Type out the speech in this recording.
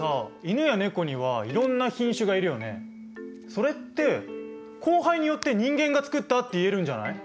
それって交配によって人間が作ったって言えるんじゃない？